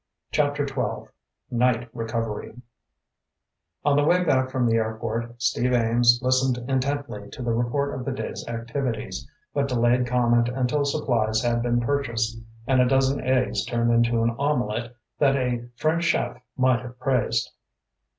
CHAPTER XII Night Recovery On the way back from the airport, Steve Ames listened intently to the report of the day's activities, but delayed comment until supplies had been purchased, and a dozen eggs turned into an omelet that a French chef might have praised.